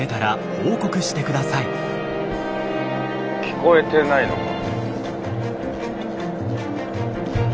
聞こえてないのか。